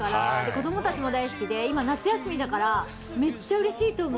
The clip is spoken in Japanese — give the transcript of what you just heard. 子供たちも大好きで、今夏休みだから、めっちゃうれしいと思う。